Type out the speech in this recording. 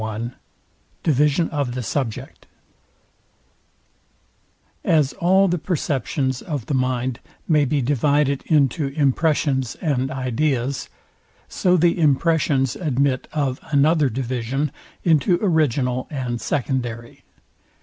I DIVISION OF THE SUBJECT As all the perceptions of the mind may be divided into impressions and ideas, so the impressions admit of another division into original and secondary.